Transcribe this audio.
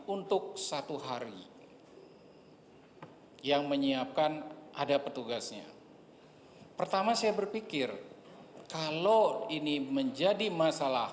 untuk satu hari yang menyiapkan ada petugasnya pertama saya berpikir kalau ini menjadi masalah